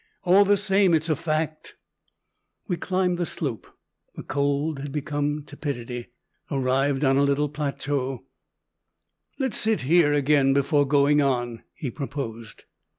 All the same, it's a fact " We climbed the slope. The cold had become tepidity. Arrived on a little plateau "Let's sit here again before going in," he proposed.